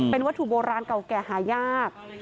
เป็นวัตถุโบราณเก่าแก่หายาก